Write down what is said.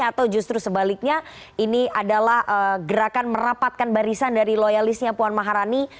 atau justru sebaliknya ini adalah gerakan merapatkan barisan dari loyalisnya puan maharani